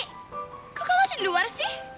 kok kamu masih di luar sih